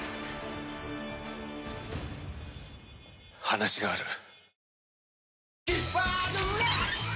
話がある。